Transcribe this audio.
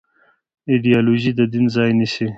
ایدیالوژي د دین ځای نيسي.